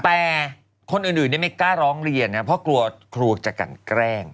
แต่คนอื่นไม่กล้าร้องเรียนนะเพราะกลัวครูจะกันแกล้ง